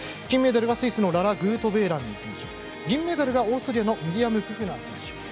金メダルはスイスのララ・グートベーラミ選手銀メダルがオーストリアのミリアム・プフナー選手。